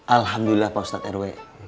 alhamdulillah pak ustadz rw